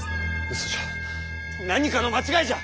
嘘じゃ何かの間違いじゃ！